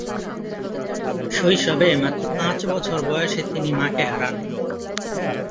শৈশবে মাত্র পাঁচ বছর বয়সে তিনি মাকে হারান।